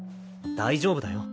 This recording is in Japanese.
大丈夫だよ。